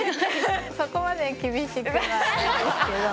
そこまで厳しくはないですけど。